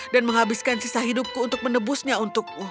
dan menghabiskan sisa hidupku untuk menebusnya untukmu